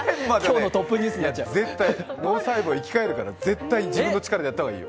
脳細胞、生き返るから、絶対自分の力でやった方がいい。